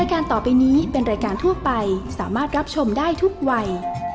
อันนี้เป็นแรกการทั่วไปสามารถรับชมได้ทุกวัย